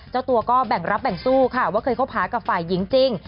เจ้าตัวก็แบ่งรับแบ่งสู้ค่ะว่าเคยคบหากับฝ่ายหญิงจริง